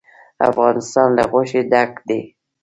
افغانستان له غوښې ډک دی.